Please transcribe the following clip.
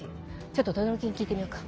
ちょっと轟に聞いてみようか？